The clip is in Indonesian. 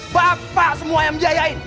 bapak semua yang menjayain